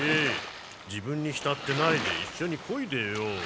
自分にひたってないでいっしょにこいでよ。